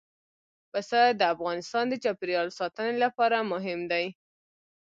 پسه د افغانستان د چاپیریال ساتنې لپاره مهم دي.